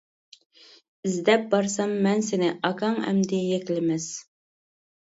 ئىزدەپ بارسام مەن سىنى، ئاكاڭ ئەمدى يەكلىمەس.